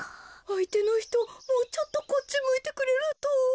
あいてのひともうちょっとこっちむいてくれると。